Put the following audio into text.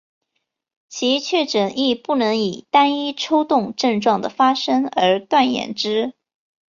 其确诊亦不能以单一抽动症状的发生而断言之。